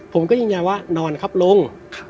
ผมก็ยืนยันว่านอนครับลง